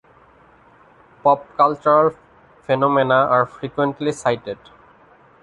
Pop cultural phenomena are frequently cited.